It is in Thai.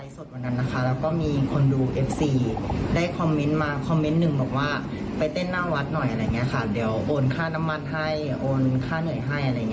สนุกความบันเทิงแล้วก็แบบว่าคนดูคลายเครียดอะไรแค่นี้